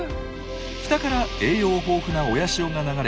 北から栄養豊富な親潮が流れ